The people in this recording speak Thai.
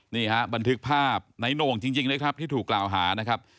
นี่ฮะบันทึกภาพในโหน่งจริงเลยครับที่ถูกกล่าวหานะครับ